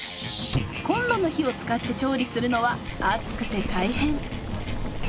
コンロの火を使って調理するのは暑くて大変。